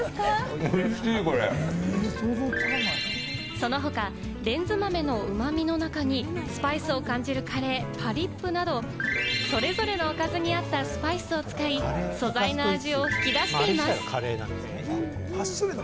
その他、レンズ豆のうまみの中にスパイスを感じるカレー、パリップなど、それぞれのおかずに合ったスパイスを使い、素材の味を引き出しています。